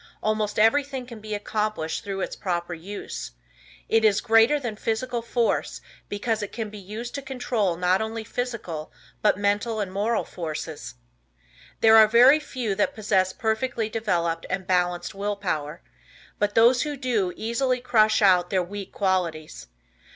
Almost everything can be accomplished through its proper use. It is greater than physical force because it can be used to control not only physical but mental and moral forces. There are very few that possess perfectly developed and balanced Will Power, but those who do easily crush out their weak qualities.